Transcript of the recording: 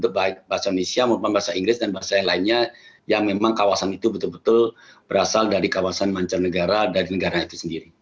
bahasa indonesia bahasa inggris dan bahasa yang lainnya yang memang kawasan itu betul betul berasal dari kawasan mancanegara dari negara itu sendiri